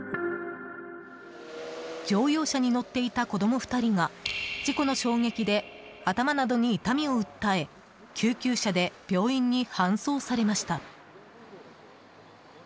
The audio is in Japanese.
乗用車に乗っていた子供２人が事故の衝撃で頭などに痛みを訴え救急車で病院に搬送されました。